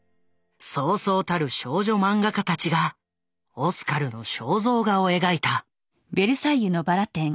そうそうたる少女マンガ家たちがオスカルの肖像画を描いた。